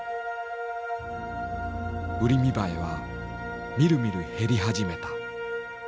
ウリミバエはみるみる減り始めた。